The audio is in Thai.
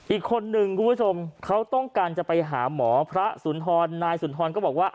อีกคนนึงคุณผู้ชมเขาต้องการจะไปหาหมอพระสุนทรนายสุนทรก็บอกว่า